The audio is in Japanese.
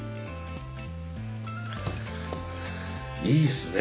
いいっすね